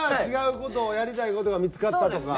違う事をやりたい事が見付かったとか？